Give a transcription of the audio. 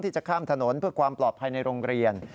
จะข้ามถนนเพื่อความปลอดภัยในโรงเรียน